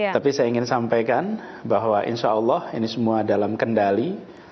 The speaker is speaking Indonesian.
tapi saya ingin sampaikan bahwa insya allah ini semua dalam kendali